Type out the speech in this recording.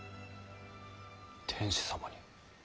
天子様に？